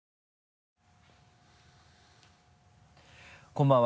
こんばんは。